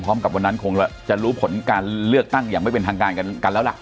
วันนั้นคงจะรู้ผลการเลือกตั้งอย่างไม่เป็นทางการกันแล้วล่ะ